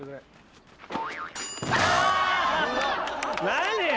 何？